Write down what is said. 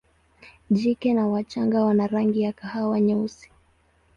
Jike na wachanga wana rangi ya kahawa nyeusi.